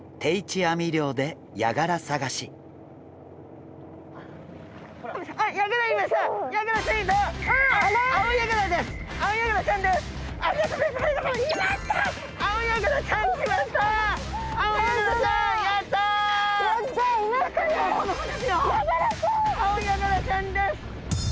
アオヤガラちゃんです。